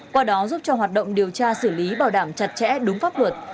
qua đó giúp cho hoạt động điều tra xử lý bảo đảm chặt chẽ đúng pháp luật